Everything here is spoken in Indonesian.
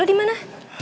eh lu dimana